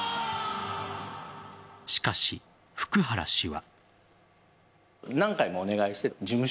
しかし、福原氏は。